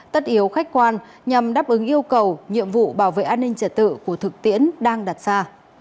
tất yếu khách quan nhằm đáp ứng yêu cầu nhiệm vụ bảo vệ an ninh trật tự của thực tiễn đang đặt ra